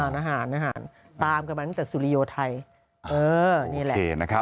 น่าหาญน่าหาญตามกับมันตั้งแต่สูริโยธัยเออนี่แหละโอเคนะครับ